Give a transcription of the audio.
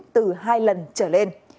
từ hai lần trở lên